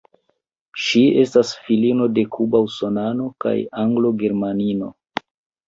Ŝi estas filino de kuba usonano kaj anglo-germanino.